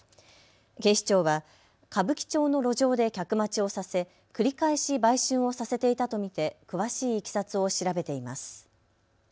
警視庁は歌舞伎町の路上で客待ちをさせ、繰り返し売春をさせていたと見て詳しいいきさつを調べています。